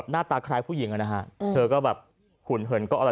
จนกระทั่งบ่าย๓โมงก็ไม่เห็นออกมา